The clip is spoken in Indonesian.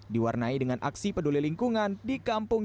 diwarnai dengan aksi peduli lingkungan di kampung